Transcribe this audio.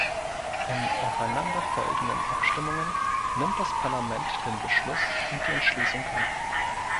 In aufeinanderfolgenden Abstimmungen nimmt das Parlament den Beschluss und die Entschließung an.